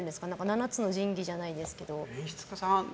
７つの神器じゃないですけど。